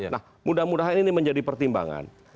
nah mudah mudahan ini menjadi pertimbangan